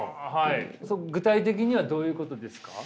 具体的にはどういうことですか？